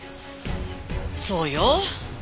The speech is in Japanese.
そうよ。